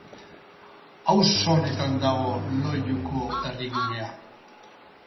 Auzo honetan dago Loiuko herrigunea.